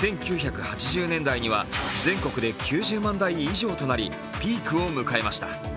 １９８０年代には全国で９０万台以上となり、ピークを迎えました。